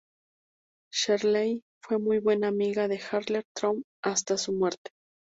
Shirley fue muy buena amiga de Heather Trott hasta su muerte.